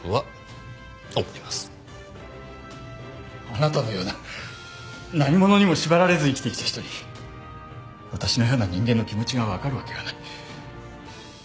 あなたのような何ものにも縛られず生きてきた人に私のような人間の気持ちがわかるわけがない。